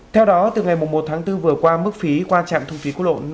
theo đó từ ngày một tháng bốn vừa qua mức phí qua trạm thu phí quốc lộ năm